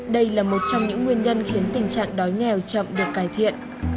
đây là một trong những nguyên nhân khiến tình trạng đói nghèo chậm được cải thiện